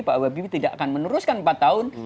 pak habibie tidak akan meneruskan empat tahun